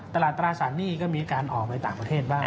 ตราสารหนี้ก็มีการออกไปต่างประเทศบ้าง